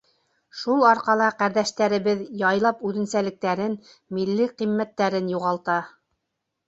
Шул арҡала ҡәрҙәштәребеҙ яйлап үҙенсәлектәрен, милли ҡиммәттәрен юғалта.